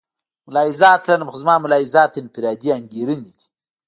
ملاحظات لرم خو زما ملاحظات انفرادي انګېرنې دي.